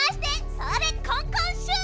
それコンコンシュート！